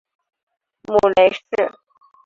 母雷氏。